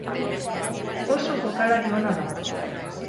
Oso jokalari ona da.